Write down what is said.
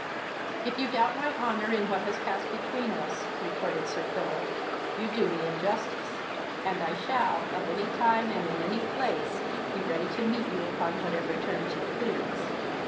"If you doubt my honour in what has passed between us, (retorted Sir Philip,) you do me injustice, and I shall, at any time and in any place, be ready to meet you upon whatever terms you please.